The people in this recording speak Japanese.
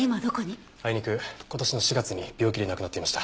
あいにく今年の４月に病気で亡くなっていました。